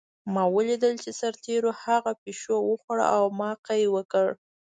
ما ولیدل چې سرتېرو هغه پیشو وخوړه او ما قی وکړ